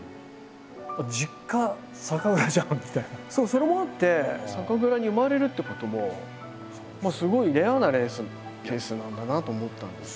それもあって酒蔵に生まれるってこともまあすごいレアなケースなんだなと思ったんですよ。